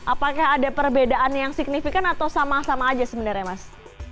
apakah ada perbedaan yang signifikan atau sama sama aja sebenarnya mas